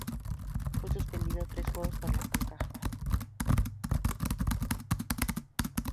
Fue suspendido tres juegos por la Concacaf.